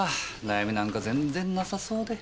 悩みなんか全然なさそうで。